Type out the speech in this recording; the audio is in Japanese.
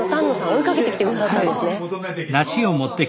追いかけてきて下さったんですね。